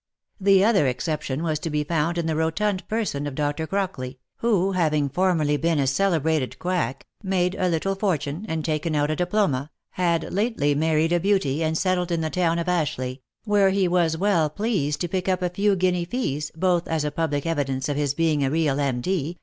The other exception was to be found in the rotund person of Dr. Crockley, who having formerly been a celebrated quack, made a little fortune, and taken out a diploma, had lately married a beauty, and settled in the town of Ashleigh, where he was well pleased to pick up a few guinea fees, both as a public evidence of his being a real M.D.